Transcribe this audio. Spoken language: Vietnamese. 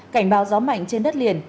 cảnh báo gió mạnh trên đất liền